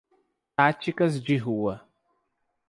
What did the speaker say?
Táticas de Rua